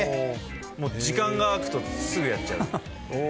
時間が空くとすぐやっちゃう。